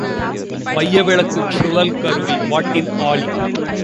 மைய விலக்குச் சுழல் கருவி வாட்டின் ஆளி.